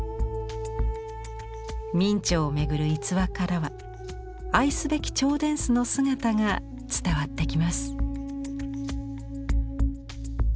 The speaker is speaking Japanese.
明兆をめぐる逸話からは愛すべき兆殿司の姿が伝わってきます。